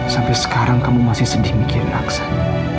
sampai sekarang kamu masih sedih mikir aksan